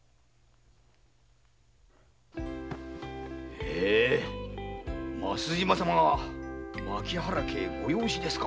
ヘエ増島様が牧原家へご養子ですか。